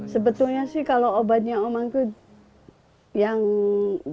sebetulnya sih kalau obatnya omang itu